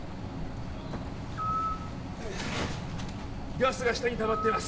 ガスが下にたまっています